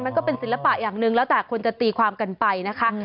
ก็เป็นศิลปะอย่างหนึ่งแล้วแต่คนจะตีความกันไปนะคะ